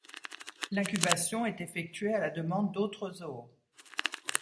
L'incubation est effectuée à la demande d'autres zoos.